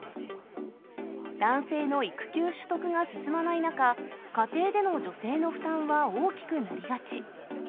男性の育休取得が進まない中、家庭での女性の負担は大きくなりがち。